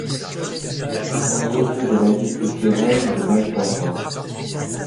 C'est un haut lieu de la vie culturelle de l'Âge d'argent.